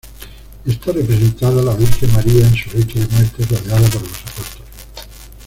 Está representada la Virgen María en su lecho de muerte, rodeada por los apóstoles.